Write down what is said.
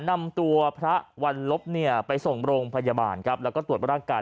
นำบางตัวพระวัลลบไปส่งโรงพยาบาลแล้วก็ตรวจบรักษณ์กัน